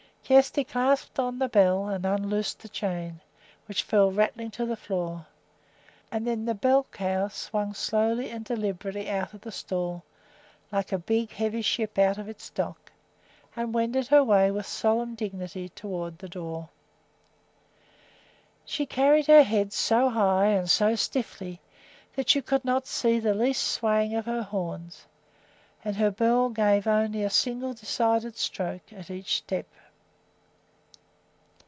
Kjersti clasped on the bell and unloosed the chain, which fell rattling to the floor; and then the bell cow swung slowly and deliberately out of the stall, like a big, heavy ship out of its dock, and wended her way with solemn dignity toward the door. She carried her head so high and so stiffly that you could not see the least swaying of her horns, and her bell gave only a single decided stroke at each step.